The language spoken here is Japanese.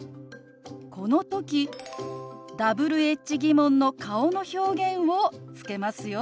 この時Ｗｈ−疑問の顔の表現をつけますよ。